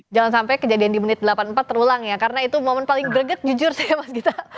jangan sampai kejadian di menit delapan puluh empat terulang ya karena itu momen paling berget jujur saya mas gita